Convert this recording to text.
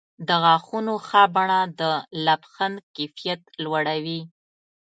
د غاښونو ښه بڼه د لبخند کیفیت لوړوي.